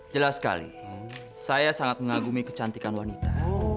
jelas sekali saya sangat mengagumi kecantikan wanita